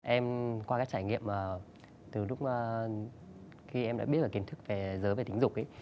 em qua các trải nghiệm từ lúc khi em đã biết về kiến thức về giới về tính dục